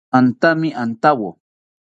Antami antawo